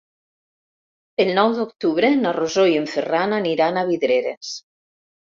El nou d'octubre na Rosó i en Ferran aniran a Vidreres.